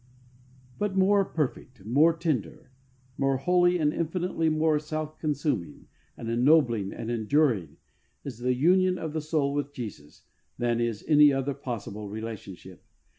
But more perfect, more tender, more holy and infinitely more self consuming and ennobling and enduring is the union of the soul with Jesus than is any other possible relationship.